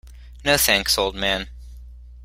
No, thanks, old man.